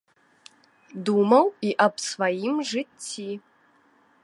Думаў і аб сваім жыцці.